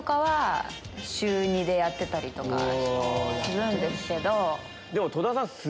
するんですけど。